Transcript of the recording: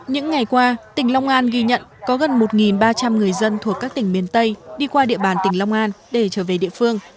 những ngày qua tỉnh long an ghi nhận có gần một ba trăm linh người dân thuộc các tỉnh miền tây đi qua địa bàn tỉnh long an để trở về địa phương